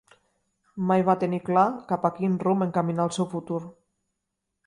Mai va tenir clar cap a quin rumb encaminar el seu futur.